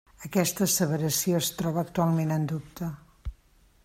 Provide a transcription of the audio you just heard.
Aquesta asseveració es troba actualment en dubte.